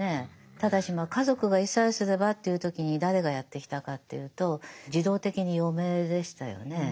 ただしまあ家族がいさえすればという時に誰がやってきたかというと自動的に嫁でしたよね。